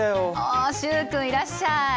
あ習君いらっしゃい！